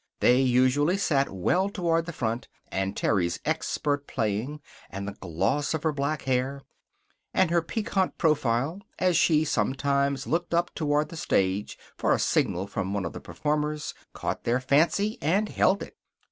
They usually sat well toward the front, and Terry's expert playing, and the gloss of her black hair, and her piquant profile as she sometimes looked up toward the stage for a signal from one of the performers caught their fancy, and held it.